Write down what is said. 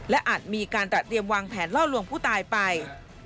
และอาจมีการเตรียมวางแผนล่อลวงผู้ตายไป